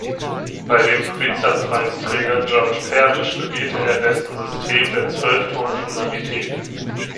Bei dem Pulitzerpreisträger George Perle studierte er dessen System der Zwölfton-Tonalität.